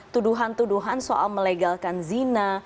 tuduhan tuduhan soal melegalkan zina